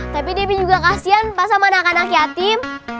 tapi debi juga kasian pas sama anak anak yatim